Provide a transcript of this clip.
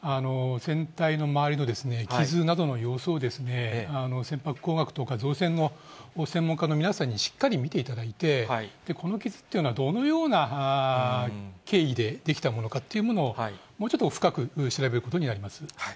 船体の周りの傷などの様子を船舶工学とか、造船の専門家の皆さんにしっかり見ていただいて、この傷っていうのは、どのような経緯で出来たものかっていうものを、もうちょっと深く調べることになります。